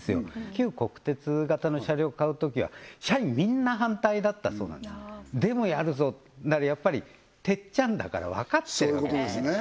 旧国鉄形の車両を買うときは社員みんな反対だったそうなんですでもやるぞだからやっぱり鉄ちゃんだからわかってるそういうことですね